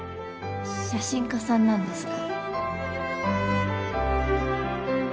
写真家さんなんですか？